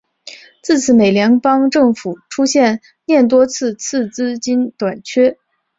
自此美国联邦政府出现廿多次次资金短缺。